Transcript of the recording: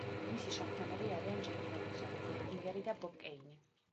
მისი შემქმნელები არიან ჯერი რობინსონი, ბილ ფინგერი და ბობ კეინი.